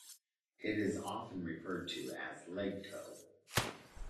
It is often referred to as "LegCo".